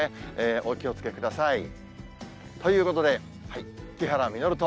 お気をつけください。ということで、木原実と。